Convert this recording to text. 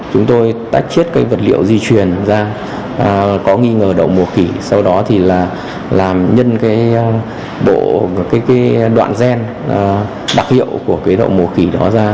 chúng tôi tách chiết cái vật liệu di truyền ra có nghi ngờ đậu mùa khỉ sau đó thì là làm nhân cái bộ cái đoạn gen đặc hiệu của cái đậu mùa khỉ đó ra